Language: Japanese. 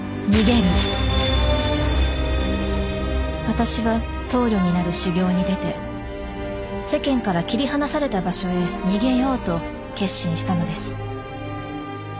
私は僧侶になる修行に出て世間から切り離された場所へ逃げようと決心したのです。